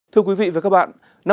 thưa quý vị và các bạn